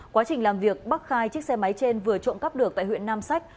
quá trình làm việc bắc khai chiếc xe máy trên vừa trộm cắp được tại huyện nam sách